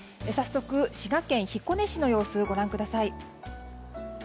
早速、滋賀県彦根市の様子ご覧ください。